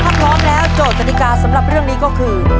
ถ้าพร้อมแล้วโจทย์กติกาสำหรับเรื่องนี้ก็คือ